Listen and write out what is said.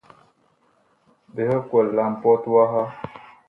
Biig kwɛl la mpɔt waha.